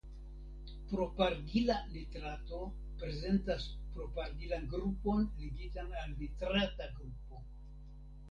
Propargila nitrato prezentas propargilan grupon ligitan al nitrata grupo.